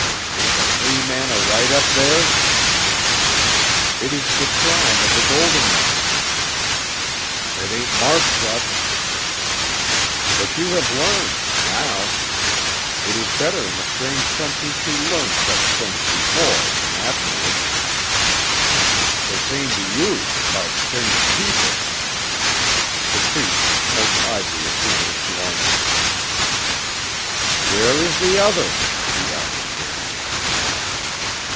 "Ain't a free man a right up there?" "It is the shrine of the Golden One." "It ain't marked sech." "But you have learned now. It is better in a strange country to learn such things before than afterwards." "The same to you 'bout strange people." The Priest smoked idly a few minutes longer. "Where is the other?" he asked again.